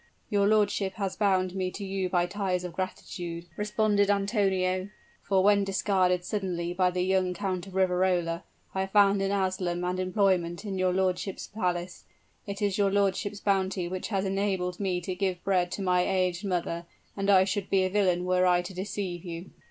"Your lordship has bound me to you by ties of gratitude," responded Antonio, "for when discarded suddenly by the young Count of Riverola, I found an asylum and employment in your lordship's palace. It is your lordship's bounty which has enabled me to give bread to my aged mother; and I should be a villain were I to deceive you."